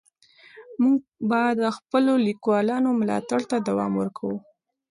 موږ به د خپلو لیکوالانو ملاتړ ته دوام ورکوو.